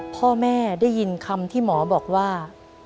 พ่อแม่ได้ยินคำที่หมอบอกว่า